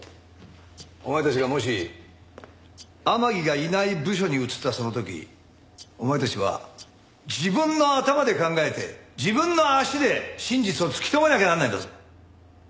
お前たちがもし天樹がいない部署に移ったその時お前たちは自分の頭で考えて自分の足で真実を突き止めなきゃならないんだぞ。